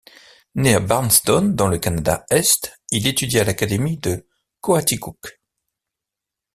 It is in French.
Né à Barnston dans le Canada-Est, il étudia à l'Académie de Coaticook.